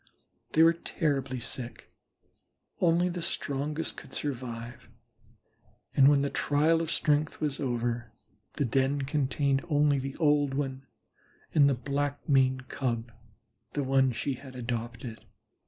They were terribly sick; only the strongest could survive, and when the trial of strength was over, the den contained only the old one and the Black maned Cub, the one she had adopted.